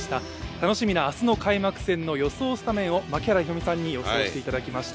楽しみな明日の開幕戦の予想スタメンを槙原寛己さんに予想していただきました。